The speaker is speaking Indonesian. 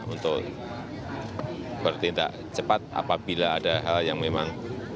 untuk bertindak cepat apabila ada hal yang memang